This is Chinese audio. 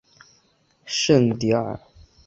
圣蒂尔。